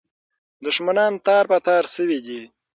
دښمنان تار په تار سوي دي.